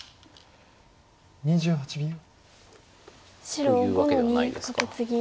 白５の二。というわけではないですか。